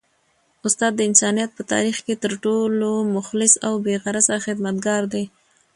استاد د انسانیت په تاریخ کي تر ټولو مخلص او بې غرضه خدمتګار دی.